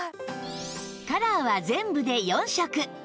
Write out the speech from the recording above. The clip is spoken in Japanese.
カラーは全部で４色